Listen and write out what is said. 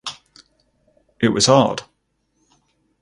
It was hard.